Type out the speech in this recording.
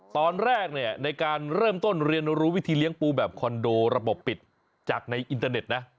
ตอนแรกเนี่ยในการเริ่มต้นเรียนรู้วิธีเลี้ยงปูแบบคอนโดระบบปิดจากในอินเตอร์เน็ตนะ